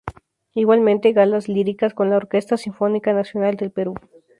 Igualmente, galas líricas con la Orquesta Sinfónica Nacional del Perú.